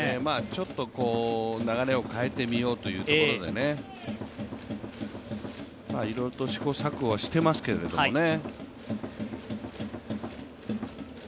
ちょっと流れを変えてみようというところで、いろいろと試行錯誤はしてますけどもね。